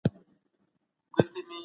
دوی خارق العاده شخصیتونه ګڼل کېدل.